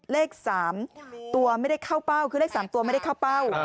เลข๓ตัวไม่ได้เข้าเป้าคือเลข๓ตัวไม่ได้เข้าเป้า